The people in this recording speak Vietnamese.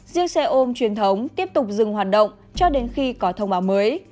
riêng xe ôm truyền thống tiếp tục dừng hoạt động cho đến khi có thông báo mới